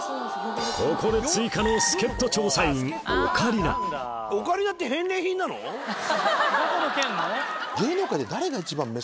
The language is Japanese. ここで追加の助っ人調査員オカリナになる。